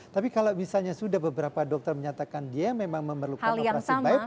tapi kalau misalnya sudah beberapa dokter menyatakan dia memang memerlukan operasi baik